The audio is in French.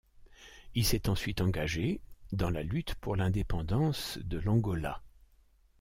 Il s'est ensuite engagé dans la lutte pour l'indépendance de l'Angola.